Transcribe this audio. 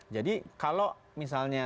jadi kalau misalnya